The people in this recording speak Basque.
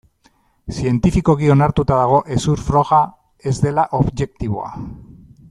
Zientifikoki onartuta dago hezur froga ez dela objektiboa.